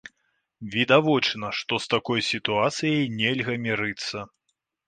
Відавочна, што з такой сітуацыяй нельга мірыцца.